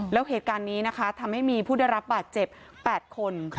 แล้วเหตุการณ์นี้นะคะทำให้มีผู้ได้รับบาดเจ็บ๘คน